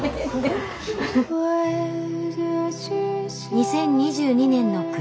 ２０２２年の暮れ。